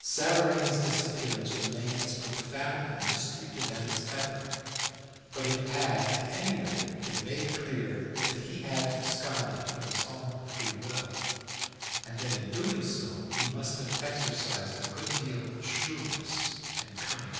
Savareen's disappearance remained as profound a mystery to them as ever, but it had at any rate been made clear that he had absconded of his own free will, and that in doing so he must have exercised a good deal of shrewdness and cunning.